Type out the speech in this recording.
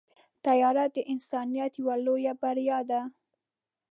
طیاره د انسانیت یوه لویه بریا ده.